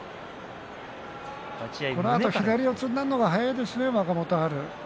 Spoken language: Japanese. このあと左四つになるのが早いですね、若元春。